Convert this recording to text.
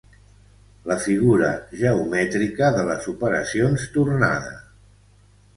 La figura geomètrica de les operacions tornada.